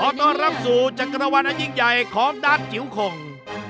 พอต้อนรับสู่จักรวรรมะยิ่งใหญ่ของดาสจิ๋วโข่ง